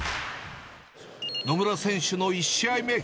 野村選手の１試合目。